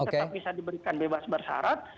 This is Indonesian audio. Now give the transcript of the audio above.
tetap bisa diberikan bebas bersarat